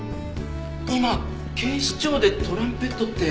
今警視庁でトランペットって。